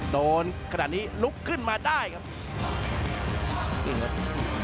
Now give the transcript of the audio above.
โดนขนาดนี้ลุกขึ้นมาได้ครับ